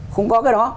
không có cái đó